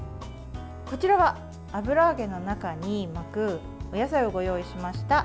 こちらは油揚げの中に巻くお野菜をご用意しました。